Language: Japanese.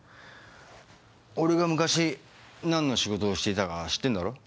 俺が昔何の仕事をしていたか知ってんだろ？